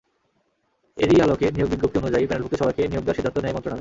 এরই আলোকে নিয়োগ বিজ্ঞপ্তি অনুযায়ী প্যানেলভুক্ত সবাইকে নিয়োগ দেওয়ার সিদ্ধান্ত নেয় মন্ত্রণালয়।